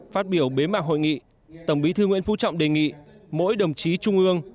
phát biểu bế mạc hội nghị tổng bí thư nguyễn phú trọng đề nghị mỗi đồng chí trung ương